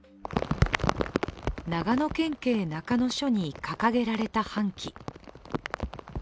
長野県警中野署に掲げられた半旗。